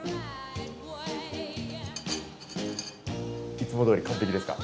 いつもどおり完璧ですか？